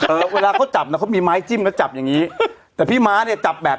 เวลาเขาจับน่ะเขามีไม้จิ้มแล้วจับอย่างงี้แต่พี่ม้าเนี้ยจับแบบ